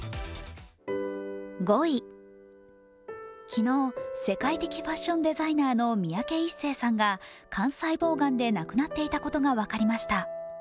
昨日、世界的ファッションデザイナーの三宅一生さんが肝細胞がんで亡くなっていたことが分かりました。